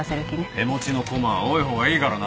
手持ちの駒は多いほうがいいからな。